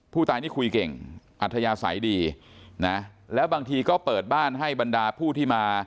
ผู้ตายนี่คุยเก่งอัธยาศัยดีนะแล้วบางทีก็เปิดบ้านให้บรรดาผู้ที่มา